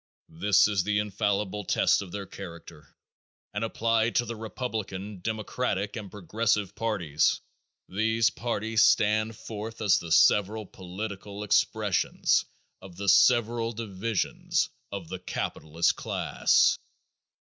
This is the infallible test of their character and applied to the Republican, Democratic and Progressive parties, these parties stand forth as the several political expressions of the several divisions of the capitalist class.